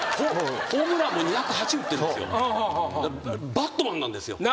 バットマンなんですよ。